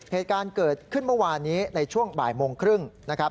เหตุการณ์เกิดขึ้นเมื่อวานนี้ในช่วงบ่ายโมงครึ่งนะครับ